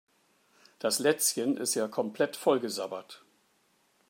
Das Lätzchen ist ja komplett vollgesabbert.